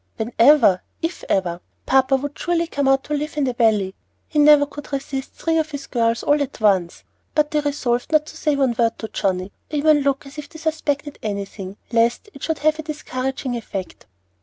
whenever! if ever! Papa would surely come out and live in the Valley. He never could resist three of his girls all at once." But they resolved not to say one word to Johnnie, or even look as if they suspected anything, lest it should have a discouraging effect.